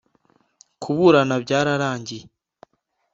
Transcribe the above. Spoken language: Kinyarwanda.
« Kuburana byararangiye